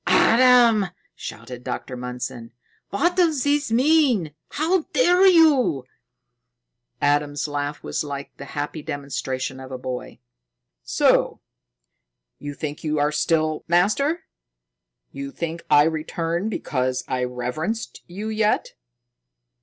"Adam!" shouted Dr. Mundson. "What does this mean? How dare you!" Adam's laugh was like the happy demonstration of a boy. "So? You think you still are master? You think I returned because I reverenced you yet?"